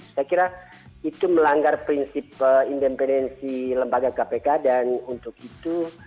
saya kira itu melanggar prinsip independensi lembaga kpk dan untuk itu